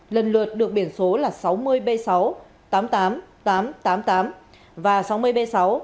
lần lượt được biển số là sáu mươi b sáu trăm tám mươi tám nghìn tám trăm tám mươi tám và sáu mươi b sáu trăm tám mươi tám nghìn tám trăm sáu mươi tám